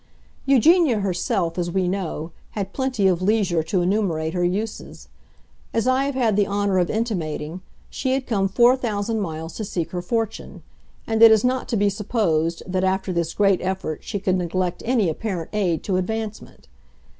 Eugenia herself, as we know, had plenty of leisure to enumerate her uses. As I have had the honor of intimating, she had come four thousand miles to seek her fortune; and it is not to be supposed that after this great effort she could neglect any apparent aid to advancement.